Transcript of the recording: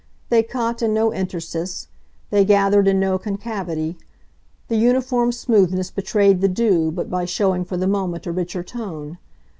They caught in no interstice, they gathered in no concavity; the uniform smoothness betrayed the dew but by showing for the moment a richer tone.